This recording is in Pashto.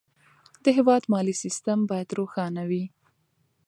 د هېواد مالي سیستم باید روښانه وي.